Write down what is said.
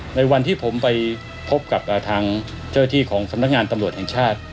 ในวันที่ผมไปพบกับทางเจ้าที่ของสำนักงานตำรวจแห่งชาติ